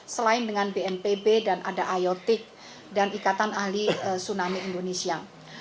selain dengan bnpb dan ada iotik dan ikatan ahli tsunami indonesia